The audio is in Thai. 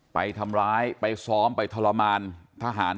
ไปทำร้ายไปซ้อมไปทรมานทหาร